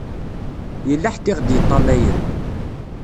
Yella ḥedd i ɣ-d-iṭṭalayen.